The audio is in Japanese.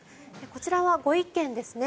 こちらはご意見ですね。